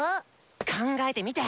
考えてみて！